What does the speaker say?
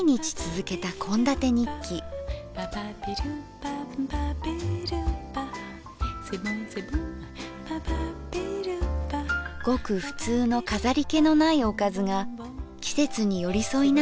ごくふつうの飾り気のないおかずが季節に寄り添いながら進む。